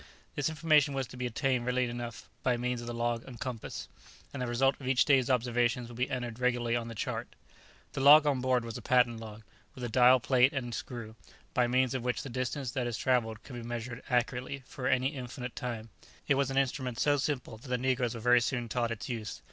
This information was to be obtained readily enough by means of the log and compass, and the result of each day's observations would be entered regularly on the chart. The log on board was a patent log, with a dial plate and screw, by means of which the distance that is travelled can be measured accurately for any definite time; it was an instrument so simple that the negroes were very soon taught its use.